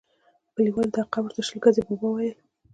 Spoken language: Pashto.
کلیوالو دغه قبر ته شل ګزی بابا ویل.